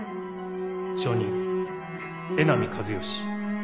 証人江波和義。